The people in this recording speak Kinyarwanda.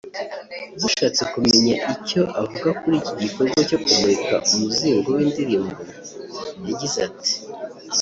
Dushatse kumenya icyo avuga kuri iki gikorwa cyo kumurika umuzingo w’indirimbo yagize ati